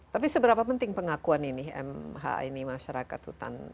tapi seberapa penting pengakuan ini mh ini masyarakat hutan